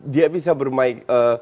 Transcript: dia bisa bermain